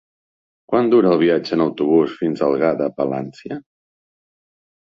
Quant dura el viatge en autobús fins a Algar de Palància?